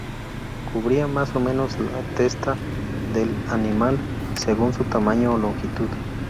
Cubría más o menos la testa del animal, según su tamaño o longitud.